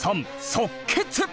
即決！